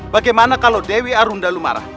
bagaimana kalau dewi arundalu marah